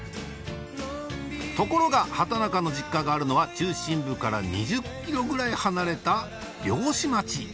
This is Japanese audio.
ところが畠中の実家があるのは中心部から２０ｋｍぐらい離れた漁師町